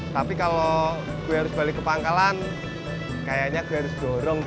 tapi kalau gue harus balik ke pangkalan kayaknya gue harus dorong